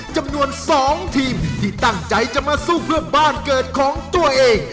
จำนวน๒ทีมที่ตั้งใจจะมาสู้เพื่อบ้านเกิดของตัวเอง